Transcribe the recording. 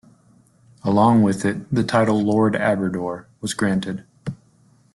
Along with it, the title Lord Aberdour was granted.